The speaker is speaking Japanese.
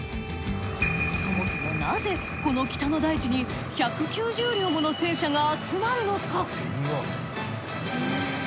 そもそもなぜこの北の大地に１９０両もの戦車が集まるのか？